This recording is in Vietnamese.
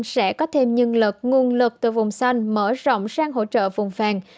tp hcm sẽ có thêm nhân lực nguồn lực từ vùng xanh mở rộng sang hỗ trợ vùng vàng